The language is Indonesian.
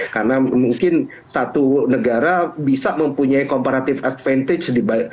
karena mungkin satu negara bisa mempunyai comparative advantage